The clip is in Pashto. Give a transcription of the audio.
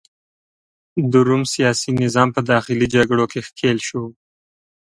د روم سیاسي نظام په داخلي جګړو کې ښکیل شو.